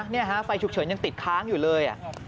นี่ฮะไฟฉุกเฉินยังติดค้างอยู่เลย